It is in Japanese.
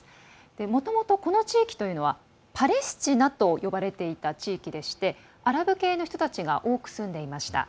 もともと、この地域はパレスチナと呼ばれていた地域でしてアラブ系の人たちが多く住んでいました。